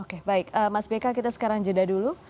oke baik mas beka kita sekarang jeda dulu